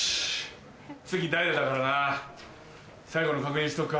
次代打だからな最後の確認しとくか。